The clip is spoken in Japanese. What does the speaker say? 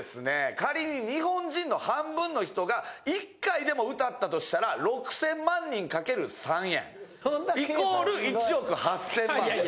仮に日本人の半分の人が１回でも歌ったとしたら６０００万人×３円＝１億８千万。